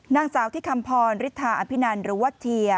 นางสาวที่คำพรฤทธาอภินันหรือว่าเชียร์